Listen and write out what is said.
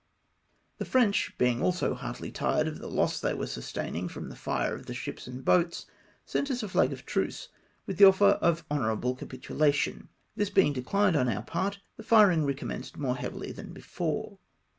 The French being also heartily tired of the loss they were sustaining from the fire of the ships and boats, sent us a flag of truce, with the offer of honourable capitulation. This being declined on our part, the firing recommenced more heavily than before.